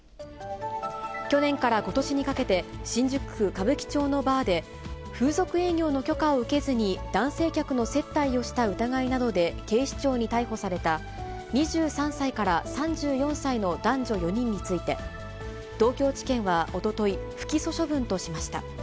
去年からことしにかけて、新宿区歌舞伎町のバーで、風俗営業の許可を受けずに、男性客の接待をした疑いなどで警視庁に逮捕された、２３歳から３４歳の男女４人について、東京地検はおととい、不起訴処分としました。